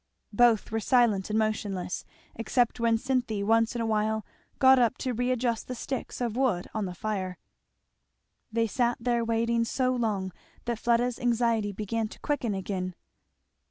Both were silent and motionless, except when Cynthy once in a while got up to readjust the sticks of wood on the fire. They sat there waiting so long that Fleda's anxiety began to quicken again.